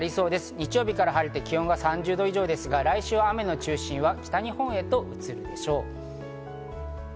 日曜日から晴れて気温が３０度以上ですが、来週は雨の中心は北日本へと移るでしょう。